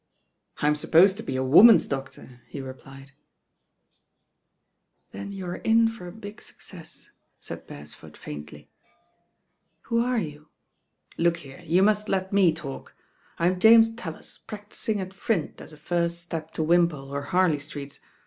"I'm supposed to be a woman's doctor," he re plied. I u M ITHR RAIN GIBL "Then you trcjn'for a big wccett," ttid Beret, ford faintly. "Who are you?" "Look here, you must let me talk. I'm Jamet raUif, practising at Print as a first step to Wimpole or Harlcy Streets.